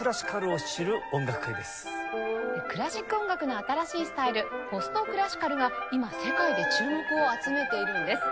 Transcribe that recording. クラシック音楽の新しいスタイルポストクラシカルが今世界で注目を集めているんです。